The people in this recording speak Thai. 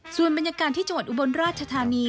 ส่วนบรรยากาศที่จังหวัดอุบลราชธานี